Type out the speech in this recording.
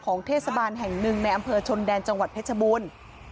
เทศบาลแห่งหนึ่งในอำเภอชนแดนจังหวัดเพชรบูรณ์